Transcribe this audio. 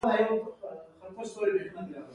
د کندهار انار په نړۍ کې لومړی مقام لري.